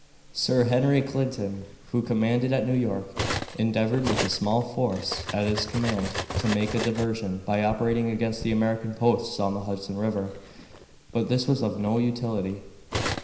Sir Henry Clinton, who commanded at New York, endeavored with a small force at his command to make a diversion by operating against the American posts on the Hudson River, but this was of no utility.